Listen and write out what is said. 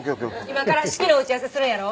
今から式の打ち合わせするんやろ？